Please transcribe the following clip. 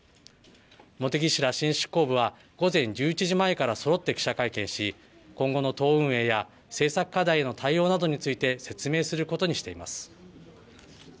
茂木氏ら新執行部は午前１１時前から、そろって記者会見し今後の党運営や政策課題への対応などについて説明することにしています。